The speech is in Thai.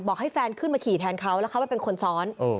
ให้แฟนขึ้นมาขี่แทนเขาแล้วเขาไปเป็นคนซ้อน